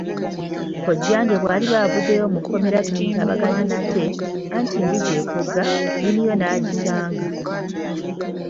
Kkojjange bw'aliba avuddeyo mu kkomera tulitabagana nate, anti mbuzeekogga, nnyiniyo n'agisanga.